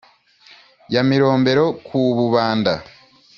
ya mirombero ku bubanda.